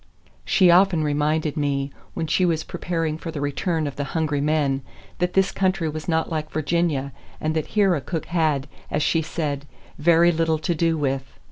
She often reminded me, when she was preparing for the return of the hungry men, that this country was not like Virginia, and that here a cook had, as she said, "very little to do with."